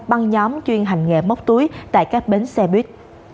băng nhóm chuyên hành nghệ móc túi tại các bến xe buýt